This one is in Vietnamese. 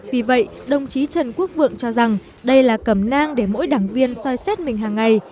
vì vậy đồng chí trần quốc vượng cho rằng đây là cầm nang để mỗi đảng viên soi xét mình hàng ngày